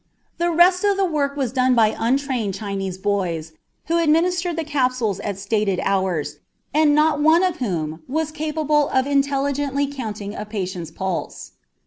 The rest of the work was done by untrained Chinese boys, who administered the capsules at stated hours, and not one of whom was capable of intelligently counting a patient's pulse.